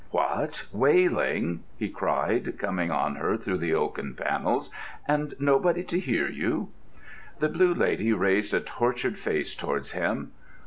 "What, wailing!" he cried, coming on her through the oaken panels, "and nobody to hear you?" The Blue Lady raised a tortured face towards him.